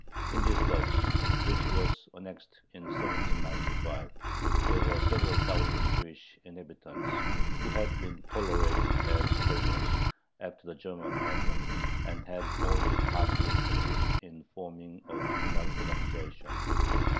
In this Duchy, which was annexed in 1795, there were several thousand Jewish inhabitants, who had been "tolerated" as foreigners, after the German pattern, and had only partly succeeded in forming a communal organization.